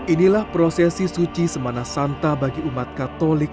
inilah prosesi suci semana santa bagi umat katolik